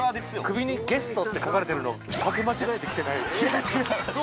首に「ゲスト」って書かれてるの掛け間違えてきてないよね？